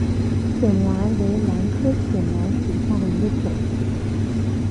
笋兰为兰科笋兰属下的一个种。